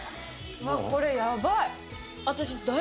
これ、やばい。